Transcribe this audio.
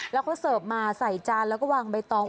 แล้วเขาเสิร์ฟมาใส่จานแล้วก็วางใบตอง